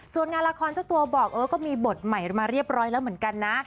ส่วนงานละครเจ้าตัวบอกเออก็มีบทใหม่มาเรียบร้อยแล้วเหมือนกันนะ